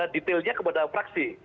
detailnya kepada fraksi